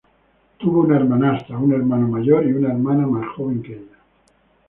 Tuvo una hermanastra, un hermano mayor y una hermana más joven que ella.